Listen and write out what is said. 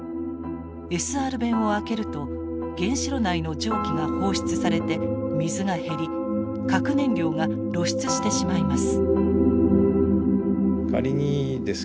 ＳＲ弁を開けると原子炉内の蒸気が放出されて水が減り核燃料が露出してしまいます。